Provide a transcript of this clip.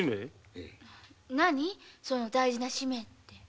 その大事な使命って？